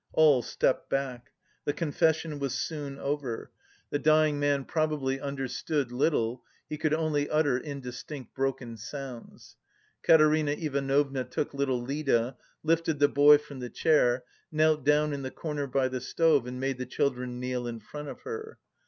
All stepped back. The confession was soon over. The dying man probably understood little; he could only utter indistinct broken sounds. Katerina Ivanovna took little Lida, lifted the boy from the chair, knelt down in the corner by the stove and made the children kneel in front of her.